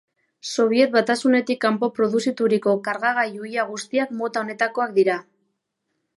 Sobiet Batasunetik kanpo produzituriko kargagailu ia guztiak mota honetakoak dira.